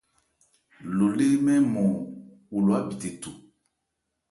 Lo lê mɛ́n ɔ́nmɔn, wo lo ábithe tho.